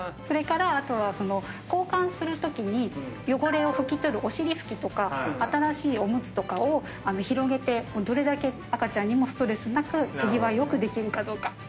それから交換するときに汚れを拭き取るお尻拭きとか新しいオムツとかを広げてどれだけ赤ちゃんにもストレスなく手際良くできるかどうか。